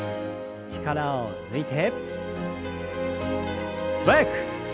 力を抜いて素早く。